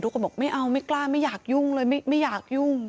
ก็บอกไม่เอาไม่กล้าไม่อยากยุ่งเลยไม่อยากยุ่ง